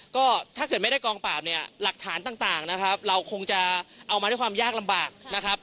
ก็ถ้าเกิดไม่ได้กองปราบเนี่ยหลักฐานต่างนะครับเราคงจะเอามาด้วยความยากลำบากนะครับ